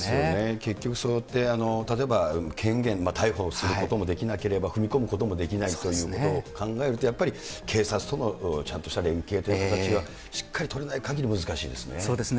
結局、そうやって例えば権限、逮捕することもできなければ踏み込むこともできないということを考えると、やっぱり、警察とのちゃんとした連携という形はしっかり取れないかぎり、そうですね。